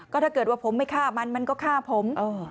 ถ้าเกิดว่าผมไม่ฆ่ามันมันก็ฆ่าผม